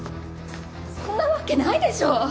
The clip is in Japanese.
そんなわけないでしょう！